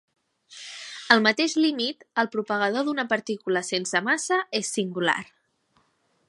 Al mateix límit, el propagador d'una partícula sense massa és singular.